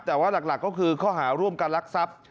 แต่ว่าหลักก็คือข้อหาร่วมกันลักทรัพย์